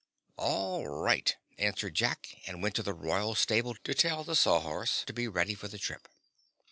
"All right," answered Jack, and went to the royal stable to tell the Sawhorse to be ready for the trip.